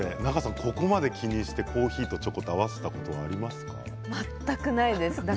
ここまで気にしてコーヒーとチョコを合わせたことありますか。